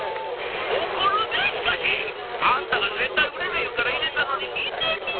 「怒るでしかし！あんたが絶対売れるいうから入れたのに見てみい